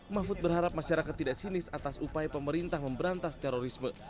mahfud berharap masyarakat tidak sinis atas upaya pemerintah memberantas terorisme